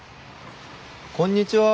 こんにちは。